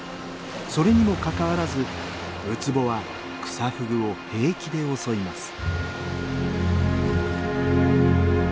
それにもかかわらずウツボはクサフグを平気で襲います。